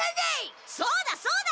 そうだそうだ！